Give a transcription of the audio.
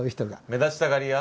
目立ちたがり屋？